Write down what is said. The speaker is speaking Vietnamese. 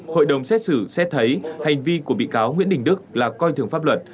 hội đồng xét xử xét thấy hành vi của bị cáo nguyễn đình đức là coi thường pháp luật